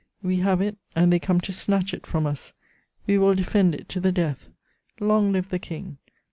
We have it, and they come to snatch it from us. We will defend it to the death. Long live the King!